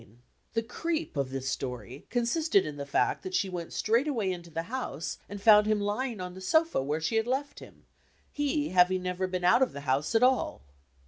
„«Google The "creep" of this story consisted in the fact that she went straightway into the house and found him lying on the sofa where she had left him, he having never been out of the house at all.